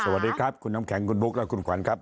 สวัสดีครับคุณน้ำแข็งคุณบุ๊คและคุณขวัญครับ